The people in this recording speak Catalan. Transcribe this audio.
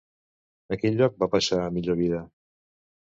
A quin lloc va passar a millor vida?